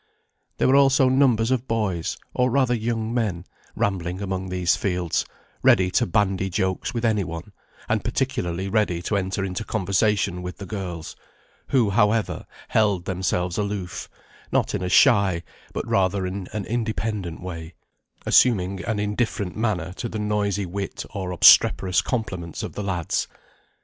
There were also numbers of boys, or rather young men, rambling among these fields, ready to bandy jokes with any one, and particularly ready to enter into conversation with the girls, who, however, held themselves aloof, not in a shy, but rather in an independent way, assuming an indifferent manner to the noisy wit or obstreperous compliments of the lads.